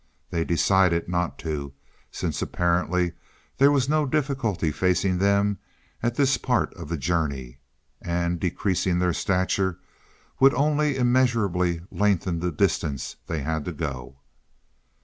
They decided not to, since apparently there was no difficulty facing them at this part of the journey, and decreasing their stature would only immeasurably lengthen the distance they had to go.